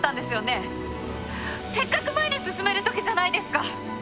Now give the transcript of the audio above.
せっかく前に進めるときじゃないですか。